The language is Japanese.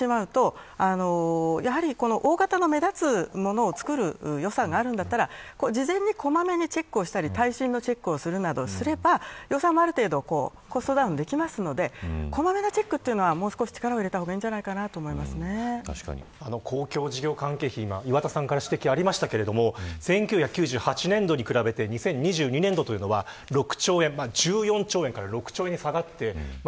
それを見てしまうとやはり大型の目立つものを造る予算があるんだったら事前に小まめにチェックをしたり耐震のチェックをするなどすれば予算もある程度コストダウンできますので、小まめなチェックというのはもう少し力を入れた方が公共事業関係費、岩田さんから指摘がありましたが１９９８年度に比べて２０２２年度は１４兆円から６兆円に下がっています。